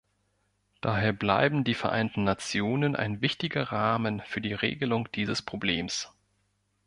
Daher bleiben die Vereinten Nationen ein wichtiger Rahmen für die Regelung dieses Problems.